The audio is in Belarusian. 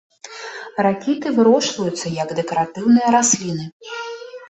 Ракіты вырошчваюцца як дэкаратыўныя расліны.